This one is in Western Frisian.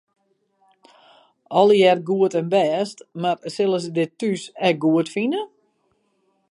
Allegearre goed en bêst, mar sille se dit thús ek goed fine?